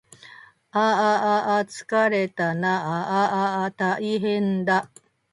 ああああつかれたなああああたいへんだ